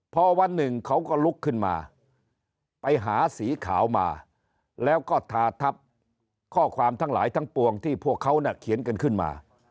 พอวันหนึ่งเขาก็ลุกขึ้นมาไปหาสีขาวมาแล้วก็ทาทับข้อความทั้งหลายทั้งปวงที่พวกเขาน่ะเขียนกันขึ้นมา